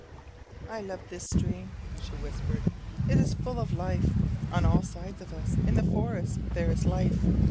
"I love this stream," she whispered. "It is full of life. On all sides of us, in the forest, there is life.